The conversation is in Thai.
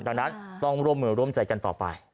ดังนั้นต้องร่วมมือร่วมใจกันต่อไป